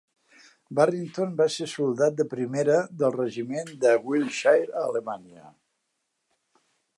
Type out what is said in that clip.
Barrington va ser soldat de primera del Regiment de Wiltshire a Alemanya.